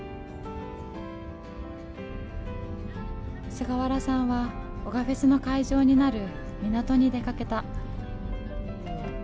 菅原さんは男鹿フェスの会場になる港に出かけた。